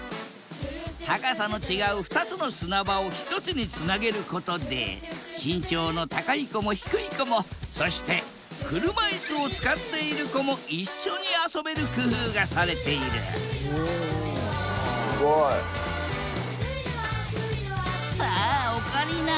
高さの違う２つの砂場を１つにつなげることで身長の高い子も低い子もそして車いすを使っている子も一緒に遊べる工夫がされているさあオカリナ